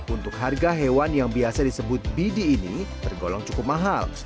untuk harga hewan yang biasa disebut bidi ini tergolong cukup mahal